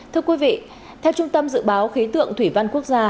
thưa quý vị theo trung tâm dự báo khí tượng thủy văn quốc gia